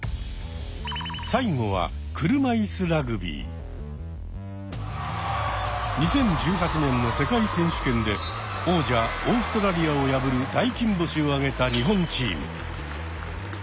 最後は２０１８年の世界選手権で王者オーストラリアを破る大金星を挙げた日本チーム。